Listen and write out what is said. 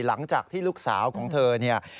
หลังจากที่ลูกสาวของเธอ